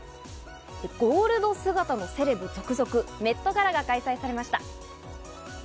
ゴールド姿のセレブ続々、メットガラが開催されました。